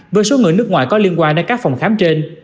với số người nước ngoài có liên quan đến các phòng khám trên